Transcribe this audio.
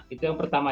itu yang pertama